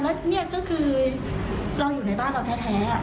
แล้วนี่ก็คือเราอยู่ในบ้านเราแท้